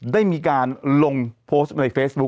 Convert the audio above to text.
ได้มีการลงโพสต์ในเฟซบุ๊